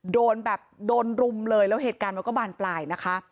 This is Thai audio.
โดนแบบโดนรุมเลยแล้วเหตุการณ์มันก็บานปลายนะคะ